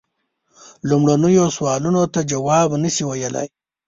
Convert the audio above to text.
لومړنیو سوالونو ته جواب نه سي ویلای.